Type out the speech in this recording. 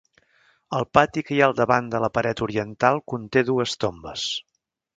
El pati que hi ha al davant de la paret oriental conté dues tombes.